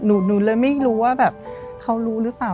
หนูเลยไม่รู้ว่าแบบเขารู้หรือเปล่า